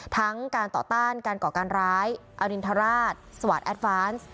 ทั้งการต่อต้านการก่อการร้ายอรินทราชสวาสตแอดฟานซ์